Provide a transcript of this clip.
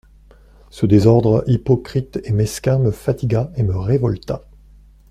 Ce désordre hypocrite et mesquin me fatigua et me révolta.